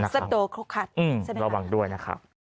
สะโต๊ะโคคัทระวังด้วยนะครับ